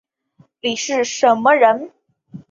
你是什么人